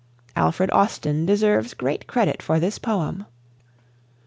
Alfred Austin deserves great credit for this poem.